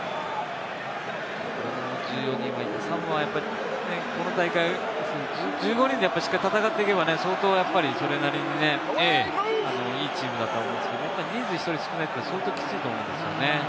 サモアはこの大会、１５人でしっかり戦っていけば、相当それなりにいいチームだと思うんですけど、人数１人少ないと相当きついと思うんですよね。